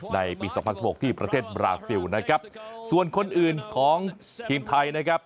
ในปี๒๐๑๖ที่ประเทศบราซิลนะครับส่วนคนอื่นของทีมไทยนะครับ